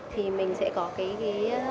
thì mình sẽ có cái